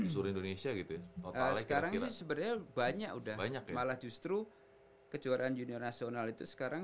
sekarang sih sebenarnya banyak udah malah justru kejuaraan junior nasional itu sekarang